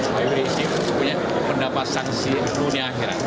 saya berisi pendapat saksi dunia akhirat